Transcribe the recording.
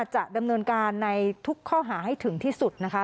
จะดำเนินการในทุกข้อหาให้ถึงที่สุดนะคะ